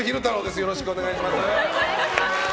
よろしくお願いします。